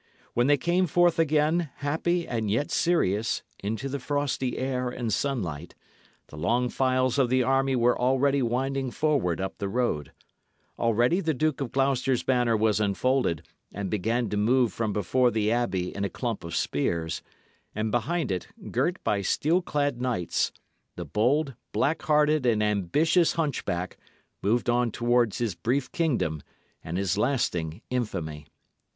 When they came forth again, happy and yet serious, into the frosty air and sunlight, the long files of the army were already winding forward up the road; already the Duke of Gloucester's banner was unfolded and began to move from before the abbey in a clump of spears; and behind it, girt by steel clad knights, the bold, black hearted, and ambitious hunchback moved on towards his brief kingdom and his lasting infamy.